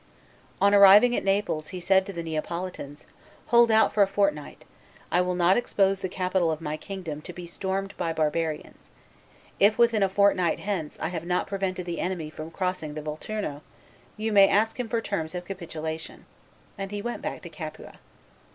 On arriving at Naples, he said to the Neapolitans, "Hold out for a fortnight; I will not expose the capital of my kingdom to be stormed by barbarians; if, within a fort night hence, I have not prevented the enemy from crossing the Volturno, you may ask him for terms of capitulation;" and back he went to Capua.